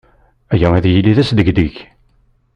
Aya ad yili d asdegdeg.